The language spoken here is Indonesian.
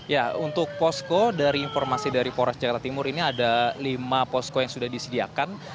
ya untuk posko dari informasi dari polres jakarta timur ini ada lima posko yang sudah disediakan